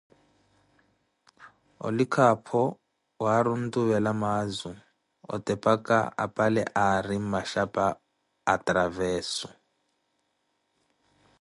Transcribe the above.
Olikha apho, we aari ontuvela maazu, otepaca apale aari mmaxhapa a Traveso.